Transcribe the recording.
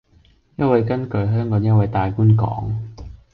因為根據香港一位大官講